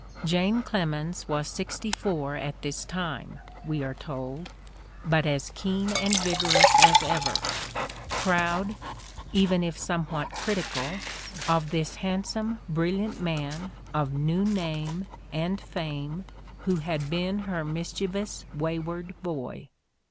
Jane Clemens was sixty four at this time, we are told, "but as keen and vigorous as ever — proud (even if somewhat critical) of this handsome, brilliant man of new name and fame who had been her mischievous, wayward boy.